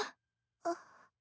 あっ。